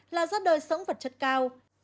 là gió đời sống vật chất cao